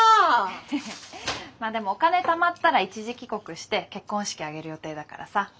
ヘヘッまあでもお金たまったら一時帰国して結婚式挙げる予定だからさ。